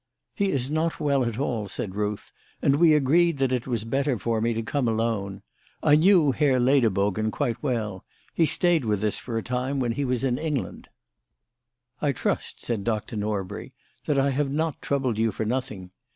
"He is not at all well," said Ruth, "and we agreed that it was better for me to come alone. I knew Herr Lederbogen quite well. He stayed with us for a time when he was in England." "I trust," said Dr. Norbury, "that I have not troubled you for nothing.